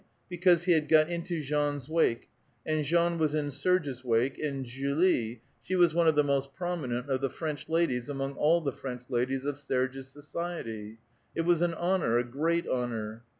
Because he had got into Jean's wake, and Jean was in Serge's wake, and Julie — she was one of the most prominent of the French ladies among all the French ladies of Serge's society. It was an honor, a great honor."